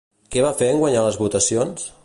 Què va fer en guanyar les votacions?